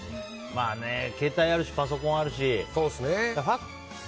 携帯あるし、パソコンあるし。